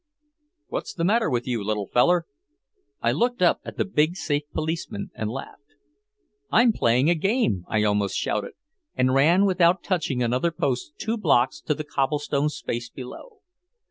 "What's the matter with you, little feller?" I looked up at the big safe policeman and laughed. "I'm playing a game," I almost shouted, and ran without touching another post two blocks to the cobblestone space below.